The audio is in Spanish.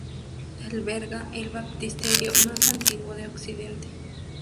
Alberga el baptisterio más antiguo de Occidente.